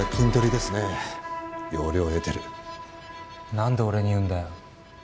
なんで俺に言うんだよ。